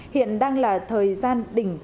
hiện đang là thời gian đỉnh